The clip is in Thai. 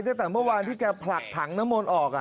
ตั้งแต่เมื่อวานที่แกผลักถังน้ำมนต์ออก